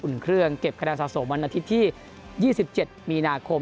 เครื่องเก็บคะแนนสะสมวันอาทิตย์ที่๒๗มีนาคม